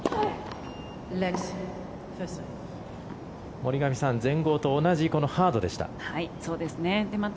森上さん、全豪と同じこのハードでした。